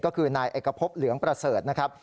ก็คือนายเอกพบเหลืองประสิทธิ์